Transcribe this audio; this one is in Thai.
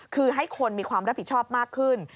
คือให้คนมีความรับผิดชอบมากขึ้น